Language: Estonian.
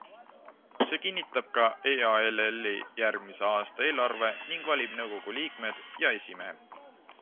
See kinnitab ka EALLi järgmise aasta eelarve ning valib nõukogu liikmed ja esimehe.